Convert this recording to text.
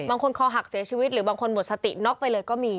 คอหักเสียชีวิตหรือบางคนหมดสติน็อกไปเลยก็มี